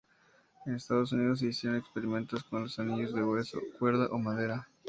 En Estados Unidos se hicieron experimentos con los anillos de hueso, cuerda o madera.